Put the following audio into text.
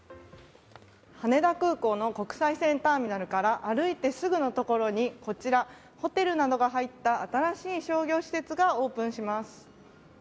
羽田空港の国際線ターミナルから歩いてすぐのところにこちらホテルなどが入った新しい商業施設がオープンします。